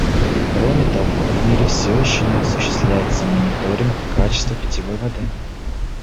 Кроме того, в мире все еще не осуществляется мониторинг качества питьевой воды.